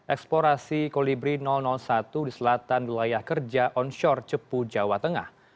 eksplorasi kolibri satu di selatan wilayah kerja onshore cepu jawa tengah